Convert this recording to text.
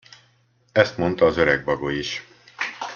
Ezt mondta az öreg bagoly is.